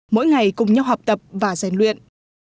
mỗi ngày cùng nhau học tập và giàn luyện